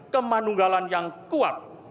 kemanunggalan yang kuat